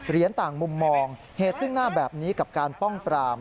ต่างมุมมองเหตุซึ่งหน้าแบบนี้กับการป้องปราม